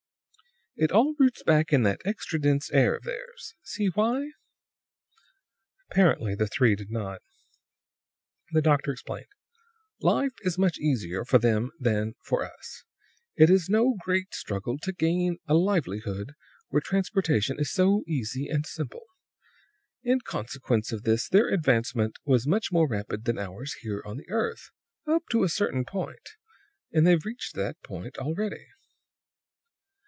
"It all roots back in that extra dense air of theirs. See why?" Apparently the three did not. The doctor explained: "Life is much easier for them than for us. It is no great struggle to gain a livelihood where transportation is so easy and simple. In consequence of this their advancement was much more rapid than ours here on the earth, up to a certain point; and they've reached that point already.